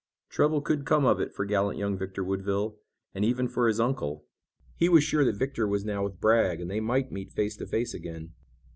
Trouble could come of it for gallant young Victor Woodville, and even for his uncle. He was sure that Victor was now with Bragg and they might meet face to face again.